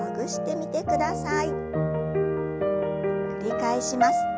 繰り返します。